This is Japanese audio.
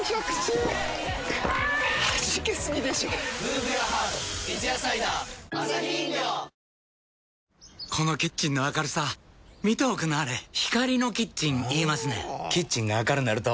はじけすぎでしょ『三ツ矢サイダー』このキッチンの明るさ見ておくんなはれ光のキッチン言いますねんほぉキッチンが明るなると・・・